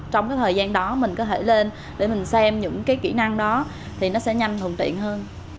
trong cái thời gian đó mình có thể lên để mình xem những cái kỹ năng đó thì nó sẽ nhanh thuận tiện hơn